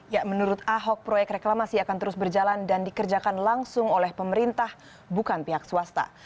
ya menurut ahok proyek reklamasi akan terus berjalan dan dikerjakan langsung oleh pemerintah bukan pihak swasta